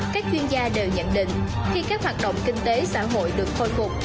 các chuyên gia đều nhận định khi các hoạt động kinh tế xã hội được khôi phục